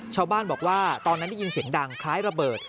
ชาวบ้านบอกว่าตอนนั้นได้ยินเสียงดังคล้ายระเบิด